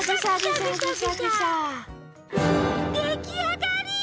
できあがり！